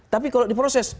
tapi kalau diproses